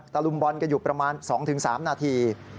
ลุมบอลกันอยู่ประมาณ๒๓นาที